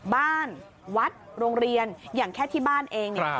บ้านวัดโรงเรียนอย่างแค่ที่บ้านเองเนี่ย